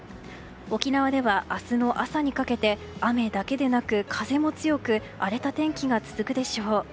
沖縄では明日の朝にかけて雨だけでなく風も強く荒れた天気が続くでしょう。